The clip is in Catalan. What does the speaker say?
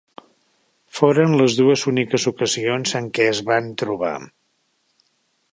Foren les dues úniques ocasions en què es van trobar.